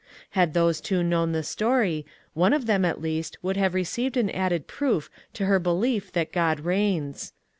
Had those two known the story, one of them, at least, would have received an added proof to her belief that God reigns.